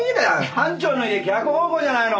班長の家逆方向じゃないの！